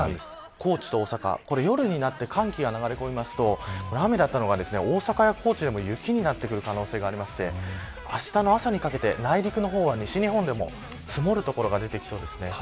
高知と大阪夜になって寒気が流れ込むと雨だったのが大阪や高知でも雪になってくる可能性がありましてあしたの朝にかけて内陸の方は西日本でも積もる所が出てきそうです。